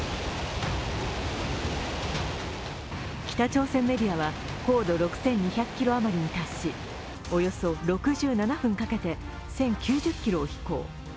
北朝鮮メディアは高度６２００ｋｍ余りに達しおよそ６７分かけて１０９０ｋｍを飛行。